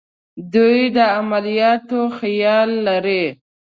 دوی د عملیاتو خیال لري.